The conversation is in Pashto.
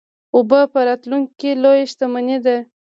اوبه په راتلونکي کې لویه شتمني ده.